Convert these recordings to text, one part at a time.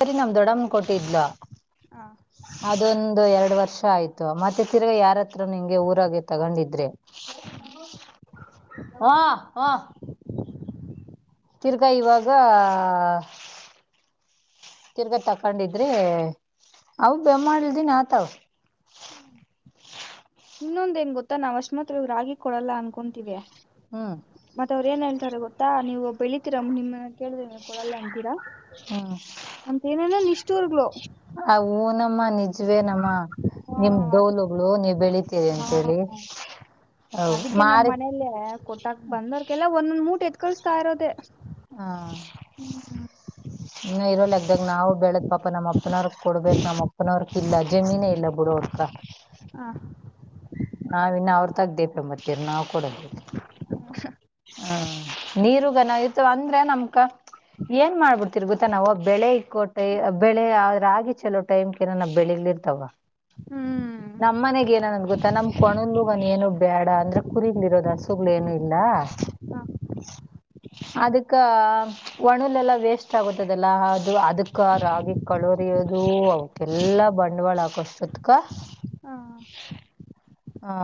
Three [unintelligible] ನಮ ದೊಡ್ಡಮ್ಮ ಕೊಟ್ಟಿದ್ಲು ಹ ಅದೊಂದು ಎರಡು ವರ್ಷ ಆಯ್ತು ಮತ್ತೆ ತಿರ್ಗಿ ಯಾರತ್ರ ನಿಂಗೆ ಊರಾಗೆ ತಗೊಂಡಿದ್ರೆ ಹಾ ಹ ತಿರ್ಗಾಿ ಇವಾಗ ತಿರ್ಗಾ ತಕೊಂಡಿದ್ರೆ ಅವ ಬೆಮ್ಮಾಲ್ದನ್ ಆತಾವ್ ಇನ್ನೊಂದಏನ್ ಗೊತ್ತಾ ನಾವ್ ಅಷ್ಟಮಾತ್ರ ಇವ್ ರಾಗಿ ಕೊಡಲ್ಲ ಅನ್ಕೊಂತೀವಿ ಹ್ಮ್ ಮತ್ತತ್ ಅವ್್ರ ಏನ್ ಹೇಳ್ ಾರೆ ಗೊತ್ತಾ ನೀವು ಬೆಳಿತೀರ ನಿಮ್ಮನ್ನ ಕೇಳಿದ್ರವು ಕೊಡಲ್ಲ ಅಂತೀರಾ ಹ್ಮ ಬಿರ್ಲೋ [unintelligible] ಹು ನಮ್ಮ ನಿಜ ನೀವೇ ನಮ್ಮ ಹ ನಿಮ್ ಅದ ದೋಲುಗಳು ನೀವ್ ಬೆಳಿತೀರಿ ಹ ಅಂತೇಳಿ ಹೌ ಅದಕ್ಕೆ ನಮ್ಮ್ ಮಾರಿ ಮನೇಲ್ಲಿ ಕೊಟ್ಟಾಕ್ ಬಂದವರಗೆಲ್ಲ ಒಂದೊಂದ್ ಮೂಟೆ ಎತ್ ಕಳಸ್ತಾ ಇರೋದೆೇ ಹಾ ಇ ಇರೋ ಲೆಕ್ಕದಾಗ ನಾವು ಬೆಳೆದ ಪಾಪ ನಮ್ಮ ಅಪ್ಪನವ್ರಕ್ ಕೊಡ್ಬೇಕ್ ನಮ್ಮ ಅಪ್ಪನವರ್ಕ ಇಲ್ಲ ಜಮೀನೇ ಇಲ್ಲ ಬಿುಡ ಹಡ್ಕ [unintelligible] ಹ ನಾವಿನ್ನು ಅವ್ರ ತಗ್ದೇಪಂ [unintelligible] ಬತ್ತೀರ್ ನಾವ್ ಕೂಡವಿ ಹ್ಮ್ ನೀರುಗನಾಯತ ಅಂದ್ರೆ ನಮ್ಕ ಏನ್ ಮಾಡ್ಬಿಡ್ತಿರ್ ಗೊತ್ತಾ ನಾವು ಬೆಳೆ ಇಕ್ಕೋ ೈ ಬೆಳೆ ರಾಗಿ ಚಲೋ ಟೈಮ್ ಕನ ನ ಬೆಳಲಿ [unintelligible] ತಗೋ ಹ್ಮ್. ನಮ್ಮ ಮನೆಗೆ ಏನನ್ ಗೊೆ ಮತ್ತ ನಮ್ ಕಣಲ್ಗನ್ ಏನು ಬೇಡ ಅಂದ್ರೆ ಕುರಿಗ್ಗಳ ಇರೋದು ಹಸುಗ್ಗಳು ಏನು ಇಲ್ಲ ಹ [unintelligible] ಅದಕ್ಕ ಒಣಲೆ ಎಲ್ಲಾ ವೇಸ್ಟ್ ಆಗತದಲ್ಲ ಅದು ಅದಕ್ಕ ರಾಗಿ ಕಳೋರಿ ದು ಅವಕ್ಕೆಲ್ಲಾ ಬಂಡವಾಳ ಹಾಕಷ್ಟೊತ್ಕ ಹಾ ಹಾ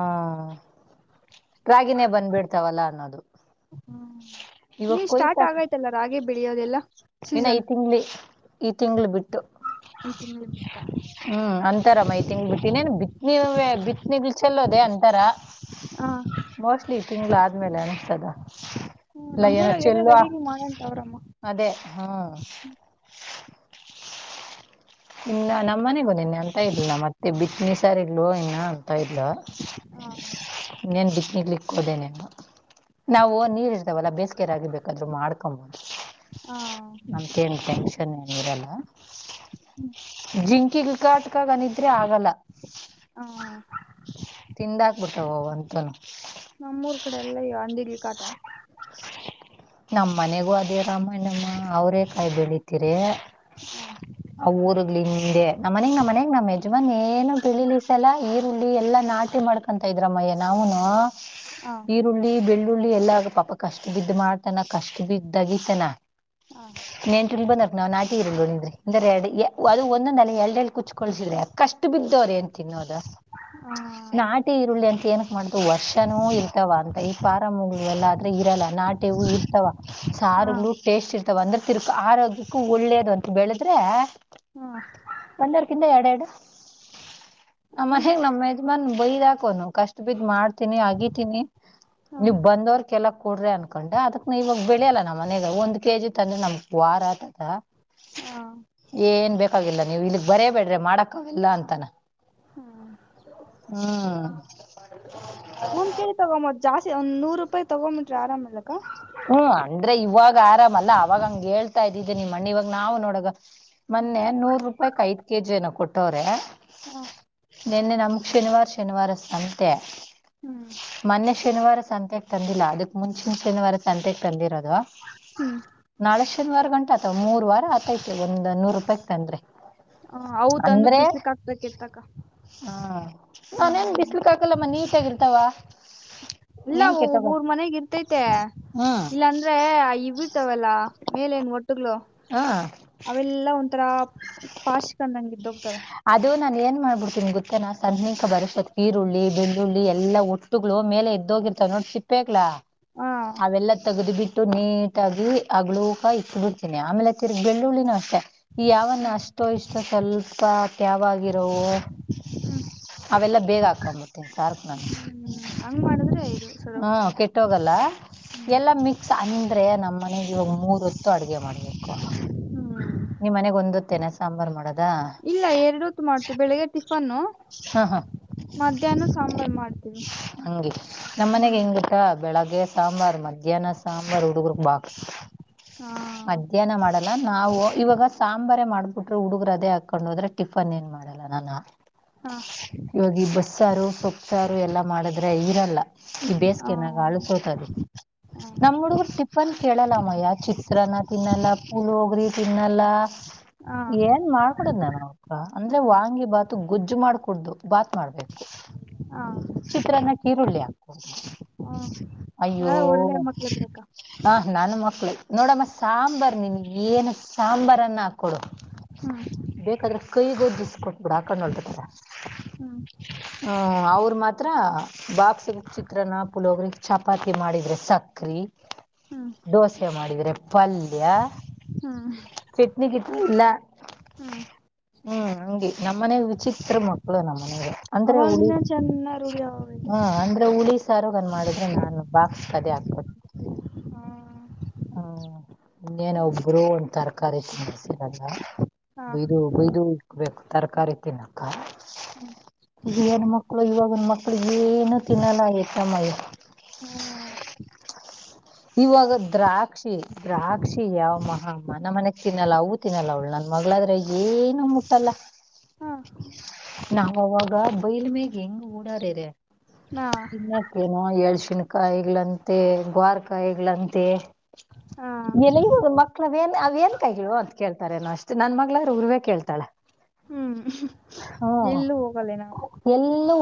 ರಾಗಿನೇ ಬಂದ್ಬಿಡ್ತಾವಲ್ಲ ಅನ್ನೋದು ಇವ ನೀವ್ ಸ್ಟಾರ್ಟ್ ಕೊಯ್ಕೊಟ್ಟು ಆಗೈತಲ್ಲ ರಾಗಿ ಬೆಳಿಯೋದೆಲ್ಲ ಇಲ್ಲ ಈ ಸೀಸನ್ ತಿಂಗಳ ಈ ತಿಂಗಳ ಬಿಟ್ಟು ಹ ತಿಮಲೆ ಬಿಟ್ಟಾ ಇತರ ಮೈ ತಿಂಗ್ ಬಿಟ್ಟನೇನ್ ಬಿತ್ ನೀ ಬಿತ್ ನಿಗ್ ಚೆಲ್ಲೋದೆೇ ಅಂತಾರ ಹಾ ಇಲ್ಲಿ ತಿಂಗಗಳು ಆದ್ಮೇಲೆ ಅನಗ್್ತದ ಇಲ್ಲ ಏನ ನಮ್ಮೂರಾಗ ಚೆ ಎಲ್ಲ ಎಲ್ವಾ ರೆಡಿ ಮಾಡಂತ ಅವ್ರಮ್ಮ ಅದೇ ಹಾ ಇನ್ನ ನಮ್ಮ ಮನೆಗೂ ನಿನ್ನೆ ಅಂತ ಇರ್ಲಿಲ್ಲ ಮತ್ತೆ ಬಿತ್ ಮಸರ್ ಇಲ್ ಇನ್ನ ಅಂತ ಇಲ ಹ ೇನ್ ಬಿಕ್ನಿಕ್ಲಿಕ್ಕ ಹೋದೆೇನೆಲ್ಲ ನಾವು ನೀರ್ ಇರ್ತಾವಲ್ಲಾ ಬೇಸಿಗೆರಾಗಿ ಬೇಕಾದ್ರು ಮಾಡ್ಕೊಬೋದು ಹ ನಮ್ಕೇನ್ ಟೆಂಕ್ಷನ್ ಏನ ಇರಲ್ಲ ಜಿಂಕಿ ಕಾಟ್ಕಾಗನಿದ್ರೆ ಆಗಲ್ಲ ಹ ತಿಿಂದಾಕ್ಬಿಟ್ಟಾವ ಅಂತನು ಊರ್ ಕಡೆ ಎಲ್ಲ ಅಂದಡ್ಲಿ ಕಾಟಾ ನಮ್ಮ್ ಮನೆಗೂ ಅದೇ ರಾಮಾಯಣಮ್ಮ ಅವರೇ ಕಾಯಿ ಬೆಳಿತೀರ ಹಾ ಊರ್ ಹಿಂದೆ ನಮ್ಮನ ನಮ್ಮ ಮನ ನಮ್ಮ ಯಜಮನ್ ಏನು ಪಳಿಲಿಿಸಲ್ಲ ಈರುಳ್ಳಿ ಎಲ್ಲಾ ನಾಟಿ ಮಾಡ ಮಾಡ್ಕೊಂತ ಇದ್ರಮ್ಮಯ್ಯ ನಾವನು ಹ ಈರುಳ್ಳಿ ಬೆಳ್ಳುಳ್ಳಿ ಎಲ್ಲ ಪಾಪ ಕಷ್ಟು ಬಿದ್ದು ಮಾಡ್. ತನ ಕಷ್ಟ ಬಿದ್ದಾಗಿ ತನ. ಹ ನೆನ್ ಟುಲ್ ಬಂದರ್ ನಾವ್ ನಾಟಿ ಇರಲ್ ನಿ್ರಿ ಅಂದ್ರೆ ಎರಡ್ ಅದು ಒಂದೊಂದ ಅೇ ಎಡೆ ಎರಡು ಕುಚ್ಕಳ್ಸಿದ್ರಿ. ಕಷ್ಟು ಬಿದ್ದವ್ರ ಏನ್ ತಿನ್ನೋದ. ಹ ನಾಟಿ ಈರುಳ್ಳಿ ಅಂತ ಏನಕ್ ಮಾಡತು ವರ್ಷನೂ ಇರ್ತವ ಅಂತ ಈ ಾರಮುಗಳು ಎಲ್ಲ ಆದ್ರೆ ಇರಲ್ಲ ನಾಟಿ. ವು ಇರ್ತಾವ ಹ ಸಾರುಗಳು ಟೇಸ್ಟ್ ಇರ್ತಾವ ಅಂದ್ರೆ ತಿರ್ಕ ಆರೋಗ್ಯಕ್ಕೂ ಒಳ್ಳೇದು ಅಂತ ಬೆಳದ್ರೆ. ಹ್ಮ ಒಂದರ್ಕಿಂತ ಎರಡೆ ಎರಡು. ಆ ಮನೆಗ ನಮ್ ಯಜಮಾನ್ ಬೈದಾಕೋನು ಕಷ್ಟ ಬಿದ್ ಮಾಡ್ತೀನಿ ಅಗಿತೀನಿ. ಹ ನೀವ್ ಬಂದವ್ರಲ್ಲ ಕುಡ್ರಿ ಅನ್. ಕೊಂಡ ಅದಕ್ ಇವಾಗ ಬೆಳೆಯಲ್ಲ ನಮ್ಮ ಮನಯಾಗ ಒಂದ್ ಕೆಜಿ ತಂದ್ರೆ ನಮ್ಕ್ ವಾರ ಆತದ. ಹ ಏನ್ ಬೇಕಾಗಿಲ್ಲ ನೀವು ಇಲ್ಲಿಗ್ ಬರಬೇಡ್ರಿ ಮಾಡಕ್ಕ ಅವೆಲ್ಲ ಅಂತಾನ. ಹ್ಮ ಒಂದ್ ಕಿ ತಗೊಬೋದ ಜಸ್ತಿ ಒಂದ ನೂರು ರೂಪಾಯಿ ತಗೊಂಬಿಟ್ರಿ ಆರಾಮ್ಲಕ. ಹ್ಮ್ ಅಂದ್ರೆ ಇವಾಗ ಆರಾಮಲ್ಲ ಅವಾಗ ಹಂಗ ಹೇಳ್ತಾ ಇದಿದ್ದ ನಿಮ್ಮ ಮಣ್ಣ ಇವಾಗ ನಾವು ನೋಡಗ. ಮೊನ್ನೆ ನೂರ್ ರೂಪಾಯಕ್ ಐದ ಕೆಜಿ ನ ಕೊಟ್ಟವ್ರೆ. ಹ ನಿನ್ನೆ ನಮಕ್ ಶನಿವಾರ ಶನಿವಾರ ಸಂತೆ. ಹ್ಮ್ ಮೊನ್ನೆ ಶನಿವಾರ ಸಂತೆಾಗ ತಂದಿಲ್ಲ ಅದಕ್ ಮುಂಚಿನ ಶನಿವಾರ. ಸಂತೆಗೆ ತಂದಿರೋದು. ನಾಳೆ ಶನಿವಾರ ಗಂಟಾ ಆತವ ಮೂರ್ ವಾರ ಆತೈತ ಒಂದ ನೂರು ರೂಪಾಯಿ ತಂದ್ರೆ. ಹ ಅವು ತಂದು ಬಿಸ್ಲಿಕ್ ಹಾಕ್ಬೇಕೆತ್ತಕ್ಕ. ಹ ನಾನೇನ್ ಬಿಸಲುಕ್ ಹಾಕಲ್ಲಮ್ಮ ನೀಟಗರ್ತಾವ. ಎಲ್ಲ ಒಬಊರ್ ಮನೆಗ ಇರ್ತೈತೆ. ಹ್ಮ್ ಇಲ್ಲಾಂದ್ರೆ ಇಡ್ತವಲ್ಲಾ ಮೇಲನ್ ಒಟ್ಟುಗ್ಳ. ಹ ಅವೆಲ್ಲ ಒಂಥರ ಪಾಷಿಕನ್ ನಂಗೆ್ದೋಗ್ತವೆ. ಇದು ನಾನನ್ ಏನ್ ಮಾಡ್ಬಿಡ್ತೀನಿ ಗೊತ್ತನಾ ಸನಿಕ ಬರತ್ ಈರುಳ್ಳಿ ಬೆಳ್ಳುಳ್ಳಿ ಎಲ್ಲ ಒಟ್ಟುಗಳು ಮೇಲೆ ಇದ್ದ. ೋಗಿರ್ತಾವ ನೋಡಿ ಸಿಪ್ಪಗ್ಲಾ. ಹ ಅವೆಲ್ಲ ತೆಗೆ್ದಿ ಬಿಟ್ಟು ನೀಟಾಗಿ ಅಗ್ಳಕ ಇಟ್ಟ ಬಿಿಡ್ತೀನಿ ಆಮೇಲೆ ತಿರ್ಗ ಬೆಳ್ಳುಳ್ಳ ನ ಅಷ್ಟ. ಮತ್ತೆ ಈ ಯಾವನ್ನ ಅಷ್ಟೋ ಇಷ್ಟ ಸ್ವಲ್ಪ ತ್ಯಾವಾಗಿರೋವೋ. ಅವೆಲ್ಲ ಬೇಗ ಹಾಕೊಂಬಟ್ಟೆ ಸಾರ್ಕು ನಾನ. ಹ್ಮ್ ಹಂಗ್ ಮಾಡಿದ್ರೆ ಆಯ್ತ. ಹ್ಮ ಕೆಟ್ಟೋಗಲ್ಲ ಎಲ್ಲಾ ಮಿಕ್ಸ್ ಅಂದ್ರೆ ನ ಮನೆಗೆ ಇವಾಗ ಮೂರ್ ಹೊತ್ತು ಅಡುಗೆ ಮಾಡ್ಬೇಕು ಹ್ಮ್ ನಿ್ಮನೆಗ್ ಒಂದ ಹೊತ್ತೇನೆ ಸಾಂಬಾರ್ು ಮಾಡದು. ಇಲ್ಲ ಎರಡುತ್ತು ಮಾಡ್ತುವಿ ಬೆಳಿಗ್ ಟಿಫನ್ನು ಹ ಹ ಮಧ್ಯಾಹ್ನ ಸಾಂಬಾರ್ ಮಾಡ್. ಹಂಗೆ ನಮ್ ಮನೆಗೆ ಹೆಂಗ ಗತ್ತಾ ಬೆಳಗ್. ಮ ಸಾಂಬಾರ್ ಮಧ್ಯಾಹ್ನ ಸಾಂಬಾರ್ ಹುಡುಗರು ಬಾಕ್ಸ್. ಹಾ ಮಧ್ಯಾಹ್ನ ಮಾಡಲ್ಲ ನಾವು. ಇವಾಗ ಸಾಂಬಾರ ಮಾಡ್ಬಿಟ್ರೆ ಹುಡುಗರು ಅದೇ ಹಾಕೊಂಡು ಹೋದ್ರೆ ಟಿಫನ್ ಏನ್ ಮಾಡಲ್ಲ ನಾನ. ಹಾ ಇವಾಗ ಬಸ್ ಸಾರು ಸೊಪ್ಸಾರು ಎಲ್ಲಾ ಮಾಡಿದ್ರೆ ಇರಲ್ಲ. ಈ ಹ ಬೇಸಿಗೆನಾಗ ಆಳಸೋತದ. ಹಾ ನಮ್ಮ್ ಹುಡುಗರು ಟಿಫನ್ ಕೇಳಲ್ಲ ಅಮ್ಮಯ್ಯ ಚಿತ್ರನ ತಿನ್ನಲ್ಲ ಪೂಲ್ಹೋಗ್ರಿ. ತಿನ್ನೆಲ್ಲಾ ಹಾ ಏನ್ ಮಾಡ್ಕೊಡದ್ ನನ ಅಂದ್ರೆ ವಾಂಗಿ ಬಾತ್. ಗುಜ್ಜು ಮಾಡ ಕುಡ್ದು ಬಾತ್ ಮಾಡ್ಬೇಕು. ಹಾ ಹಾ ಚಿತ್ರಾನ ಕ ಈರುಳ್ಳಿ ಹಾಕ್ತದು. ಅಯ್ಯೋ ಯಾರ ಒಳ್ಳೆ ಮಕ್ಳ ಬೇಕಾ ಹ ನಾನು ಮಕ್ಳು. ನೋಡಮ್ಮ ಸಾಂಬಾರ್ ನಿನಗೆ ಏನು ಸಾಂಬಾರನ್ನು ಹಾಕ್ಕೊಡು ಹ್ಮ್ ಬೇಕಾದ್ರೆ ಕೈಗೊಜ್ಜಿಸಕಟ್ಬಿಡ ಹಾಕೊಂಡು ಹೊತತಾರ. ಹ್ಮ್ ಅವ್ರು ಮಾತ್ರ ಬಾಕ್ಸ ಚಿತ್ರಾನ್ನ ಪುಲೋಗ್ರಗ್ ಚಪಾತಿ ಮಾಡಿದ್ರೆ ಸಕ್ರೆ. ಹ್ಮ್ ದೋಸೆ ಮಾಡಿದ್ರೆ ಪಲ್ಯ. ಹಾ [unintelligible] ಇಲ್ಲ ಹ್ಮ್ ಹಂಗಿ ನಮ್ಮ ಮನೆಗ್ ವಿಚಿತ್ರ ಮಕ್ಳು ನಮ್ಮ್ ಮನೆಗೆ ಅಂದ್ರೆ ಉಳಿ ಅವಾಗಿಂದ ಚೆನ್ನಾಗಿ ರೂಢಿ [unintelligible] ಹ ಆಗೋಗೈತಲ್ಲ ಅಂದ್ರೆ ಉಳಿ ಸಾರೋಗನ್ ಮಾಡಿದ್ರೆ ನಾನು ಬಾಕ್ಸ್ ಕಡೆ ಹಾಕೊಟ್ಟತಿನೀ ಹ್ಮ ಇನ್ನೇನ ಒಬ್ರು ಒಂದ ತರಕಾರಿ ಚ ಮಾಡಸರಲ್ಲ ಹಾ ಬಯ್ದ ಬಯ್ದು ಇಕ್ಬೇಕು ತರಕಾರಿ ತಿನ್ನಕ್ಕ. ಹ್ಮ್ ನ್ ಮಕ್ಳು ಇವಾಗನ್ ಮಕ್ಳ ಏನು ತಿನ್ನಲ್ಲಯತ್ತ ಮಯ [inaudible] ಇವಾಗ ದ್ರಾಕ್ಷಿ ದ್ರಾಕ್ಷಿ ಯಾವ್ ಮಹಾ ಮನ ಮನೆಗ್ ತಿನ್ನಲ್ಲ ಅವು ತಿನ್ನಲ್ಲ ಅವಳಂತ ಮಗಳಾದ್ರ ಏನು ಮುಟ್ಟಲ್ಲ ಹಾ [unintelligible] ನಾವ್ ಅವಾಗ ಬೈಲ್ ಮೇಗ್ ಹೆಂಗ್ ಓಡಾರರೆ ಹಾ ತಿನ್ನಕ್ಕ ನೋ ಎಏಳ್ ಶಿನ್ಕಾಯಾಯಗ್ಲಂತೆ ಗ್ವಾರಕ್ ಕಾಯಿಗಳಂತೆ ಹಾ ಏನ ಇವರು ಮಕ್ಳವೇನ್ ಅವ ಏನ್ ಕಾಯ ಅಂತ ಕೇಳ್ತಾರೇನೋ ಅಷ್ಟೆ ನನ್ ಮಗಳಾದ್ರ ರ್ವೇ ಕೇಳ್ತಾಳ. ಹ್ಮ್ ಹ್ಮ ಎಲ್ಲೂ ಹೋಗಲ್ಲ ನಾವು ಎಲ್ಲೂ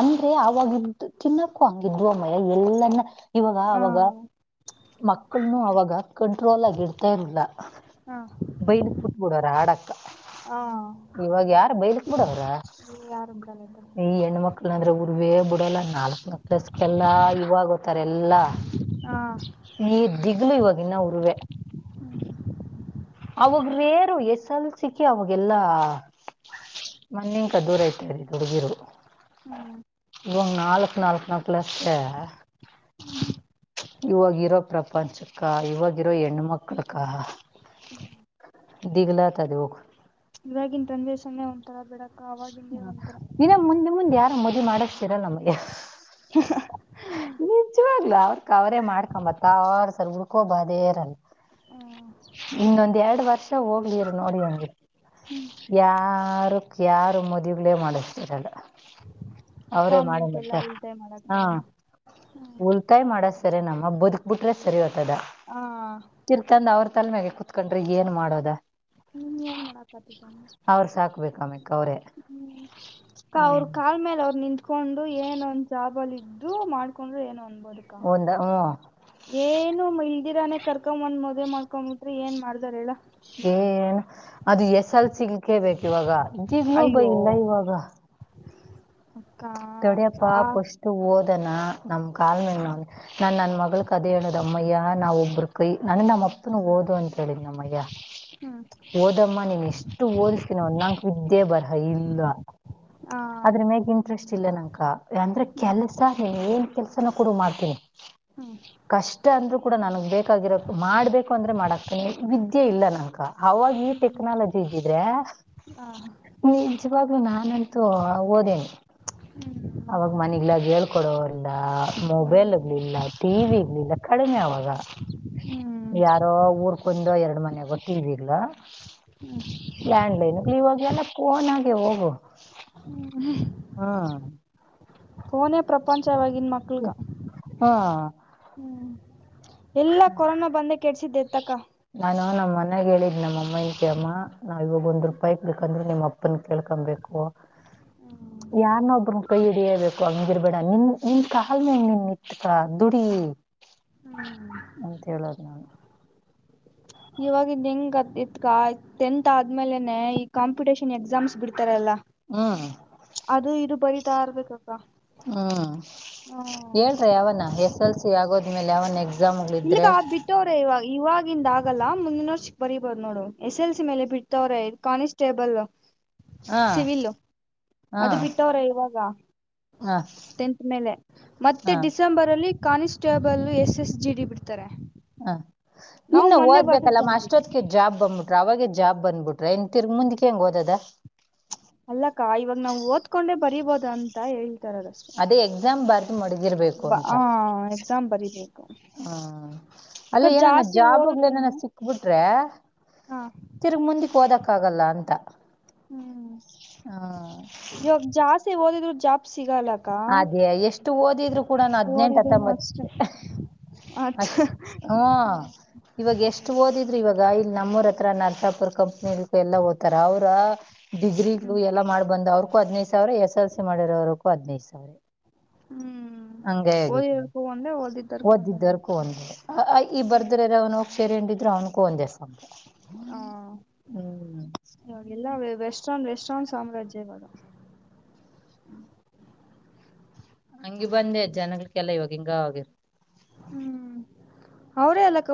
ಅಂದ್ರೆ ಆವಾಗಿಂತ ತಿನ್ನಕ್ಕು ಹಂಗಿದ್ವ ಮಯ ಎಲ್ಲನ್ನ ಇವಗ ಹಾ ಅವಗ ಮಕ್ಳುನ್ನು ಅವಾಗ ಕಂಟ್ರೋಲ್ ಆಗಿ ಇರ್ತಾ ಇರ್ಲಿಲ್ಲ. ಹಾ ಬೈಲಿಕ್ ಬಟ್ ಬಿಡೋರ್ ಹಾಡಕ್ಕ ಹಾ [unintelligible] ಇವಾಗ ಯಾರ ಬೈಲಿಕ್ ಬಿಡೋವ್ರ ಯಾರು ಬಿಡಾಲತ ಲ್ಲಂದ್ರೆ ಉರ್ವೇ ಬುಡಲ್ಲ ನಾಲ್ಕ ನ ಪ್ಲಸ್ ಎಲ್ಲಾ ಇವಾಗೋತಾರ ಎಲ್ಲ ಹಾ ನೀ ದಿಗ್ಲು ಇವಾಗಿನ ಉರವೆ ಅವಗ್ರೇರು ಎಸ್ ಎಲ್ ಸಿಕ ಅವಾಗೆಲ್ಲಾ. ಮನ್ನಿನ್ಕ ದೂರ ಐತೀ ದುಡುಗಿರು ಹ್ಮ್ ಇವಗ್ ನಾಲ್ಕ್ ನಾಲ್ಕು ಮಕ್ಳ ಎಸ್ ಇವವಾಗಿರೋ ಪ್ರಪಂಚಕ್ಕ ಇವಾಗಿವಾಗಿರೋ ಹೆಣ್ಣು ಮಕ್ಳಕ್ಕ [unintelligible] ದಿಗಿಲಾತಧೋಗ್ ಇವಾಗಿನ್ ಜನರೇಶನ್ನೇ ಒಂಥರ ಬಿಡಕ ಅವಾಗಿಂದೆ ಒಂಥರ. ನ ಮದಿ ಮಾಡಕ್ತೀರ ನಮಗೆ [inaudible] ಹ ಹ ವಾಗ್ಲ ಅವ್ರಕ ಅವರೇ ಮಾಡ್ಕೊಂಬತ್ತ ಇರ್ತಾರಾ ಉಡ್ಕೊಬದೇರಲ್ಲ. ಹ್ಮ್ ಇನ್ನೊಂದ್ ಎರಡ್ ವರ್ಷ ಹೋಗ್ಲಿರು ನೋಡಿ ಹೆಂಗೆ ಯಾರಕ್ ಯಾರು ಮದ್ವಿಗಳೇ ಮಾಡಿಸತರಿಲ್ಲಾ ಅಪ್ಪ ಅವ್ರೆ ಮಾಡ್ಯಾರ್ ಅಮ್ಮಂಗೆಲ್ಲ ಮತ್ತ ಉಳಿತಾಯ ಹಾ ಮಾಡಾಕ್ತಾರೆನ ಉಲ್ತಾಯ ಮಾಡದ ಸರಿನಮ್ಮ ಬದುಕ್ ಬಿಟ್ರೆ ಸರಿ ಹೋತದ ಹಾ ತಿನ್ಕಂಡ್ ಅವ್ರ ತಲ್ಮೆಗೆ ಕುೂತ್ಕೊಂಡ್ರಿ ಏನು ಮಾಡೋದ ನೀ ಮಾಡಕತ್ತಿದ್ದ ಕೌರೆ ಅವರು ಕಾಲ್ ಮೇಲೆ ಅವ್ರರು ನಿಂತ್ಕೊಂಡು ಏನೊಂದ್ ಜಾಬಲ್ ಇದ್ದು ಮಾಡ್ಕೊಂಡ್ರೆ ಏನ ಒಂದ್ ಒಂದ [unintelligible] ಹ್ಮ್ ಏನು ಮ ಇದಿರಾನೇ ಕರ್ಕೊಬಂದ ಮದ್ವೆ ಮಾಡ್ಕೊಂಡ್ಂಬಿಟ್ರ ಏನ್ ಮಾಡ್ದಾರ ಹೇಳು ಏ ಅದು ಎಸಲ್ಸಿಗ್ಲಿಕೇ ಬೇಕ್ ಇವಾಗ. ದಿದನ ಅಯ್ಯೋ ಬೈಲ್ಲ ಇವಾಗ ಅಕ್ಕ ತಡ್ಯಪ್ಪ ಆ ಫಸ್ಟ್ ಓದನಾ ನಮ್ ಕಾಲ ಮೇಲ್ ನಾನ್ ನನ್ ಮಗಳ್ ಕದೆ ಹೇಳುದಮ್ಮಯ್ಯ ನಾವ ಒಬ್ಬ್ರ ಕೈ ನಾನ ನಮ್ಮ ಅಪ್ಪನು ಓದು ಅಂತ ಹೇಳಿದ್ ನಮ್ಮಯ್ಯ. ಹ್ಮ್ [unintelligible] ಓದಮ್ಮ ನೀನ್ ಎಷ್ಟು ಓದಿಸ್ತೀನ ಅನ್ನಂಕ ವಿದ್ದೆ ಬರಹ ಇಲ್ಲ ಆ [unintelligible] ಅದ್ರಮ್ಯಾಗ ಇಂಟ್ರೆಸ್ಟ್ ಇಲ್ಲ ನಕ ಅಂದ್ರೆ ಕೆಲ್ಸ ನ್ ಕೆಲ್ಸನ ಕೂಡ ಮಾಡ್ತೀನಿ [unintelligible] ಹ್ಮ್ ಕಷ್ಟ ಅಂದ್ರೂನು ಕೂಡ ನನಗ್ ಬೇಕಾಗಿರೋ ಮಾಡ್ಬೇಕು ಅಂದ್ರೆ ಮಾಡಾಕ್ತನಿ ವಿದ್ಯೆ ಇಲ್ಲ ನಕ ಅವಾಗ ಈ ಟೆಕ್ನಾಲಜಿ ಇದ್ದದ್ದರೆ, ಆ ನಿಜವಾಗ್ಲುೂ ನಾನ್ ಓದೇನೆ ಅವಾಗ ಮನಗ್ಲಾಗ ಹೇಳ್ಕೊಡೋಲ್ಲ. ಮೊಬೈಲ್ ಹ್ಮ್ ಇರಲ್ಲಿಲ್ಲಾ ಟಿವಿ ಇರಲ್ಲಿಲ್ಲ ಕಡಿಮೆ ಆಗ ಹ್ಮ್ ಯಾರೋ ಊರ್ಕೊಂದುಎರಡ್ ಮನೆ ಗೊತ್ [inaudible] ಲ್ಯಾಂಡಡ್ಲೈನ ನ್ಗ್ವೋಗೆ ಎಲ್ಲ ಫೋನ್ಗೆ ಹೋಗು ಹಾ ಪೋನ ಪ್ರಪಂಚವಾಗಿನ್ ಮಕ್ಳಗ ಹ್ಮ್ ಎಲ್ಲ ಕೊರೋನಾ ಬಂದೇ ಕೆಡ್ಸಿದ್ದೆತಕ್ಕ. ನಮ್ಮ್ ಮನ್ಗ ಹೇಳಿದ್ ನಮ್ಮ ಅಮ್ಮಕ ಅಮ್ಮ ನಾವ್ ಇವಾಗ ಒಂದ್ ರೂಪಾಯಿ ಬಕಂದ್ರೆ ನಿಮ್ಮ ಅಪ್ಪನ್ ಕೇಳ್ಕೊಬೇಕು ಹ ಯಾರನ್ನೊಬ್ ಕೈ ಹಿಡಿಯೇಬೇಕು ಹಂಗಿರ್ಬೇಡ ನಿನ್ ನಿನ್ ಕಾ ಮೇಲ ನಿನ್ ಇ ದುಡಿ, ಹ್ಮ್ ಅಂತ ಹೇಳೋದ್ ನಾನು ಇವಾಗ ಹೆಂಗ್ ಅ ಇತ್ಕಾ ಟೆಂತ್ ಆದ್ಮೇಲೆನೆ ಈ ಕಾಂಪಿಟೇಷನ್ ಎಕ್ಸಾಮ್ಸ್ ಬಿಡ್ತ ಲ್ಲ ಹ್ಮ್ ಅದು ಇದು ಬರತಾ ಇರ್ಬೇಕ ಹ್ಮ್ ಹೇಳ್ರಿ ಅವನ ಎಸ್ ಎಲ್ಸ ಆಗೋದ್ಮೇಲೆ ಅವನ ಇಲ್ಲಗ ಆ ಬಿಟ್ಟವ್ರ ಇವಾಗ ಇವಾಗ ಇಂದ ಆಗಲ್ಲ ಮುಂದಿನ ವರ್ ಬರಿಬಹ್ ನೋಡು ಎಸ್ ಎಲ್ ಸಿ ಮೇಲೆ ಬಿಡ್ತವ್ರೆ ಕಾಿಸಸ್ಟೇಬಲ್ ಹಾ ಸಿವಿಲು ಹಾ ಅದು ಬಿಟ್ಟವ್ರ ಇವಾಗ ಹ ಟೆಂತ್ ಮೇಲೆ ಮತ್ತೆ ಹಾ ಡಿಸೆಂಬರ್ ಅಲ್ಲಿ constable S S G D ಬಿಡ್ತಾರೆ. ಹ ನಾವು ಇನ್ನು ಮೊನ್ನೆ ಓದ್ಬೇಕಲ್ಲ ಮಾ ಬರ್ದಿದ್ವನ್ರಿ ಅಷ್ಟೊತ್ಕ ಜಾಬ್ ಬಂದ್ಬಿಟ್ಟ ಅವಾಗೆ ಜಾಬ್ ಬಂದ್ಬಿಟ್ರೆ ಇನ್ ತಿರ್ಗಿ ಮುಂದಕ್ಕೆ ಹೆಂಗ್ ಹಓದದ ಅಲ್ಲಕ್ಕ. ಇವಾಗ ನಾವವು ಓದ್ಕೊಂಡೆ ಬರಿೀಬೋದ ಅಂತ ಹೇಳ ಅದೇ ಎಕ್ಸಾಮ್ ಬರ್ದು ಮಡಿದಿರ್ಬೇಕು ಬ ಅಂತ. ಆ ಎಕ್ಸಾಮ್ ಬರಿಬೇಕು ಹ್ಮ ಅಕ್ಕ ಅಲ್ಲ ಏನಾನ ಜಾಸ್ತಿ ಜಾಬಗ್ಲ ಏನಾನ ಓದಿದ್ರುನು ಸಿಕ್ಬಿಟ್ರೆ ಹ ತಿರ್ಗ ಮುಂದಿಕ್ ಓದಕ್ ಆಗಲ್ಲ ಅಂತ. ಹ್ಮ್ ಹಾ ದದು ಜಾಪ್ಸ ಅದೇ ಎಷ್ಟು ಓದಿದ್ರು ಕೂಡ ನಾ ಹದ್ನೆಂಟು ಓದಿದ್ರುನು ಹತ್ತೊಂಬತ್ ಅಷ್ಟೆ ಅ ಅಷ್ಟ ಹ್ಮ ಇವಾಗ ಎಷ್ಟ ಓದಿದ್ರಿ ಇವಾಗ ಈ ಇಲ್ಲಿ ನಮ್ಮೂರತ್ರ ನರ್ಸಾಪುರ್ ಕಂಪ್ನಿ ಎಲ್ಲ ಹಓ್ತಾರ ಅವ್ರ ಡಿಗ್ರಿಗಳು ಎಲ್ಲ ಮಾಡ್ ಬಂದ ಅವ್ರಕೂ ಹದ್ೈದು ಸಾವಿರ ಎಸ್ ಎಲ್ ಸಿ ಮಾಡಿರೋರ್ಗೂ ಹದಿನೈದು ಸಾವಿರ. ಹ್ಮ್ ಹಂಗ ಹೇಗ ಓದಿರೋದಕ್ಕೂ ಒಂದೇ ಓದಿದ್ದರ್ಕ್ಕೂ ಒಂದೇ ಮೇಡಮ್ ಓದ್ದಿದ್ದರ್ಕೊಂದು ಅಂತ ಆ ಇ ಬರ್ದ್ರಾರ ಅವನು ಹೋಗ ಸಕೆಂಡ್ ಇದ್ರ ಅವ್ನಕು ಒಂದೇ ಸಮ. ಹ್ ಇವಗೆಲ್ಲ ವೆಸ್ಟ್ನ್ ಶಾನ್ ಸಾಮ್ರಾಜ್ಯವ ಹಂಗಗೆ ಬಂದೆ ಜನಗಳಕ್ಕೆಲ್ಲ ಇವಾಗ ಹಿಂಗ ಆಗಿರ್ ಹ್ಮ್ ಅವ್ರೇ ಅಲ್ಲಕ್ಕ